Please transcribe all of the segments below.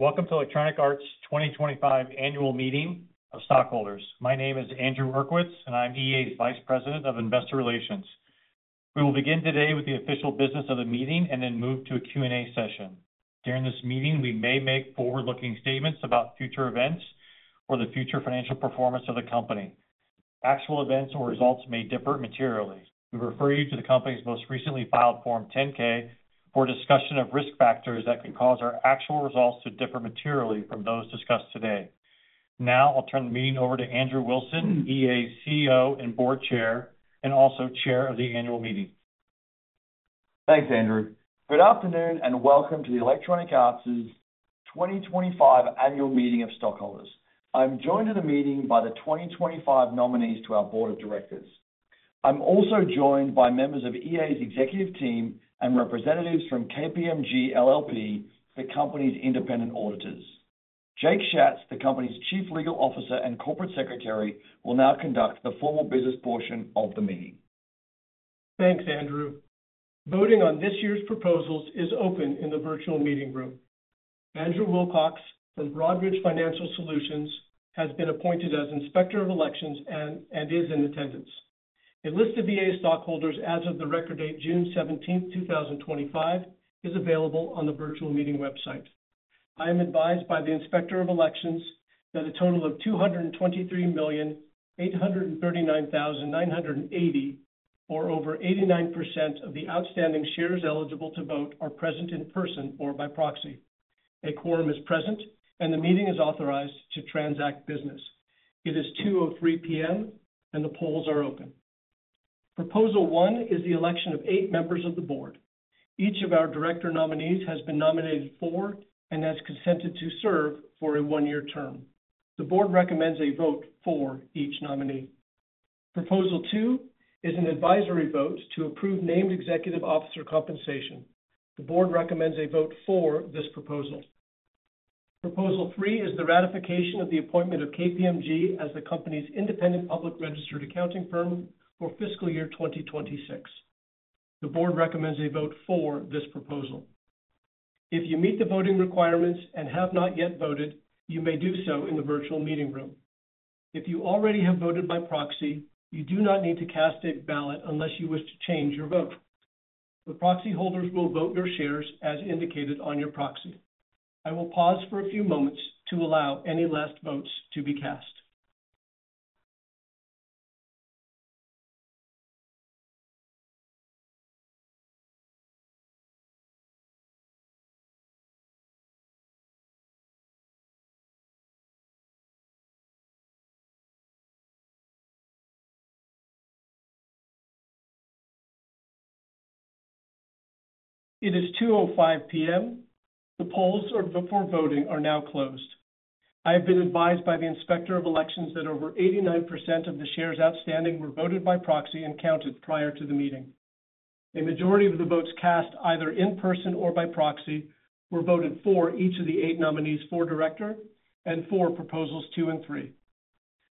Welcome to Electronic Arts 2025 Annual Meeting of Stockholders. My name is Andrew Uerkwitz, and I'm the Vice President of Investor Relations. We will begin today with the official business of the meeting and then move to a Q&A session. During this meeting, we may make forward-looking statements about future events or the future financial performance of the company. Actual events or results may differ materially. We refer you to the company's most recently filed Form 10-K for discussion of risk factors that could cause our actual results to differ materially from those discussed today. Now I'll turn the meeting over to Andrew Wilson, EA CEO and Board Chair, and also Chair of the Annual Meeting. Thanks, Andrew. Good afternoon and welcome to Electronic Arts' 2025 Annual Meeting of Stockholders. I'm joined in the meeting by the 2025 nominees to our Board of Directors. I'm also joined by members of EA's executive team and representatives from KPMG LLP, the company's independent auditors. Jake Schatz, the company's Chief Legal Officer and Corporate Secretary, will now conduct the formal business portion of the meeting. Thanks, Andrew. Voting on this year's proposals is open in the virtual meeting room. Andrew Wilcox from Broadridge Financial Solutions has been appointed as Inspector of Elections and is in attendance. A list of Electronic Arts stockholders as of the record date June 17, 2025, is available on the virtual meeting website. I am advised by the Inspector of Elections that a total of 223,839,980, or over 89% of the outstanding shares eligible to vote, are present in person or by proxy. A quorum is present and the meeting is authorized to transact business. It is 2:03 P.M. and the polls are open. Proposal One is the election of eight members of the Board. Each of our Board of Director nominees has been nominated for and has consented to serve for a one-year term. The Board recommends a vote for each nominee. Proposal Two is an advisory vote to approve named executive officer compensation. The Board recommends a vote for this proposal. Proposal Three is the ratification of the appointment of KPMG as the company's independent public accounting firm for fiscal year 2026. The Board recommends a vote for this proposal. If you meet the voting requirements and have not yet voted, you may do so in the virtual meeting room. If you already have voted by proxy, you do not need to cast a ballot unless you wish to change your vote. The proxy holders will vote your shares as indicated on your proxy. I will pause for a few moments to allow any last votes to be cast. It is 2:05 P.M. The polls for voting are now closed. I have been advised by the Inspector of Elections that over 89% of the shares outstanding were voted by proxy and counted prior to the meeting. A majority of the votes cast either in person or by proxy were voted for each of the eight nominees for Director and for Proposals Two and Three.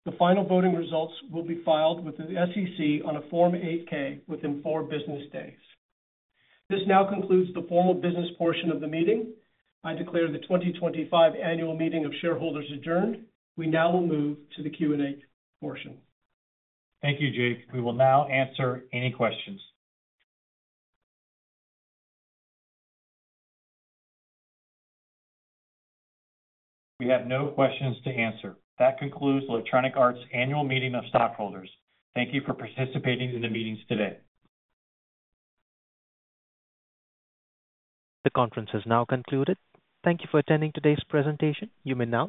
The final voting results will be filed with the SEC on a Form 8-K within four business days. This now concludes the formal business portion of the meeting. I declare the 2025 Annual Meeting of Shareholders adjourned. We now will move to the Q&A portion. Thank you, Jake. We will now answer any questions. We have no questions to answer. That concludes Electronic Arts Annual Meeting of Stockholders. Thank you for participating in the meeting today. The conference has now concluded. Thank you for attending today's presentation. You may now.